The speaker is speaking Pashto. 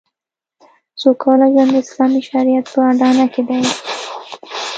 سوکاله ژوند د اسلامي شریعت په اډانه کې دی